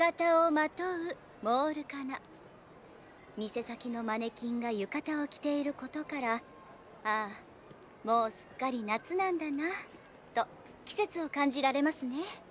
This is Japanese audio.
店先のマネキンが浴衣を着ていることからああもうすっかり夏なんだなと季節を感じられますね。